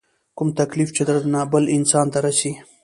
کوم تکليف چې درنه بل انسان ته رسي